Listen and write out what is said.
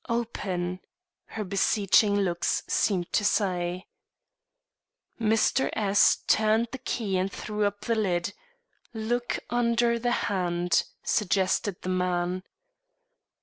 "Open!" her beseeching looks seemed to say. Mr. S turned the key and threw up the lid. "Look under the hand," suggested the man.